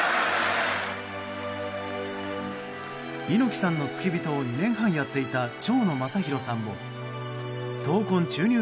猪木さんの付き人を２年半やっていた蝶野正洋さんも闘魂注入